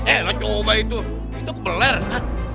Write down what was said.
eh lah coba itu itu kebeleran